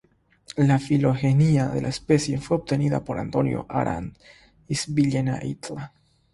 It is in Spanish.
La filogenia de la especie fue obtenida por Antonio Arnaiz-Villena "et al".